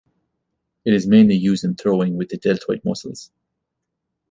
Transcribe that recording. It is mainly used in throwing, with the deltoid muscles.